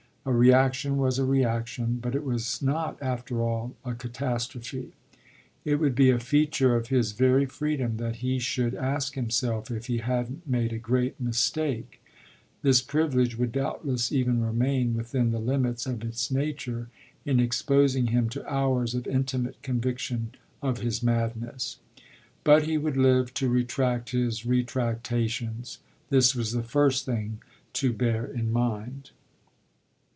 A reaction was a reaction, but it was not after all a catastrophe. It would be a feature of his very freedom that he should ask himself if he hadn't made a great mistake; this privilege would doubtless even remain within the limits of its nature in exposing him to hours of intimate conviction of his madness. But he would live to retract his retractations this was the first thing to bear in mind.